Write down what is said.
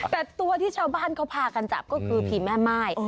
แต่ตัวที่ชาวบ้านเขาพากันจับก็คือผีแม่ม่าย